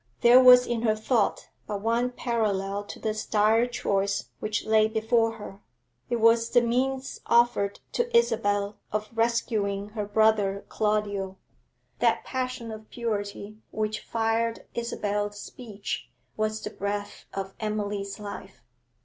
There was in her thought but one parallel to this dire choice which lay before her: it was the means offered to Isabel of rescuing her brother Claudio. That passion of purity which fired Isabel's speech was the breath of Emily's life.